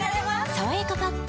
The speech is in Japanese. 「さわやかパッド」